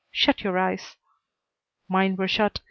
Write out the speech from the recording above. Shut your eyes." Mine were shut.